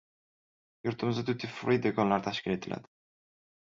Yurtimizda “Duty Free” do‘konlari tashkil etiladi